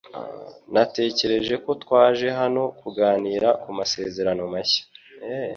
Natekereje ko twaje hano kuganira ku masezerano mashya.